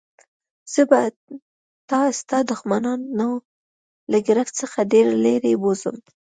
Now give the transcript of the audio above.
زه به تا ستا د دښمنانو له ګرفت څخه ډېر لیري بوزم.